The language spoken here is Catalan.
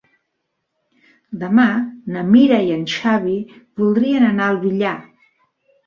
Demà na Mira i en Xavi voldrien anar al Villar.